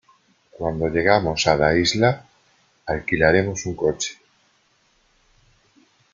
Cuando llegamos a la isla, alquilaremos un coche.